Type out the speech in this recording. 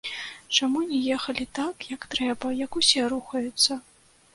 Чаму не ехалі так, як трэба, як усе рухаюцца?